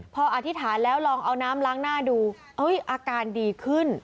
พออธิษฐานแล้วลองเอาน้ำล้างหน้าดูอาการดีขึ้น